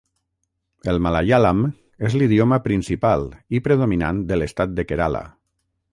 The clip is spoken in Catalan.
El malaiàlam és l'idioma principal i predominant de l'estat de Kerala.